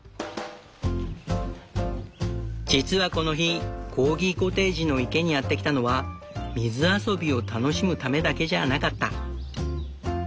実はこの日コーギコテージの池にやって来たのは水遊びを楽しむためだけじゃあなかった。